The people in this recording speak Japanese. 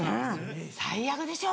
最悪でしょ？